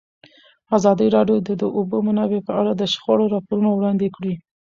ازادي راډیو د د اوبو منابع په اړه د شخړو راپورونه وړاندې کړي.